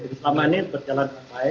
selama ini berjalan baik